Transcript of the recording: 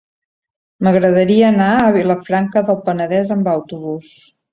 M'agradaria anar a Vilafranca del Penedès amb autobús.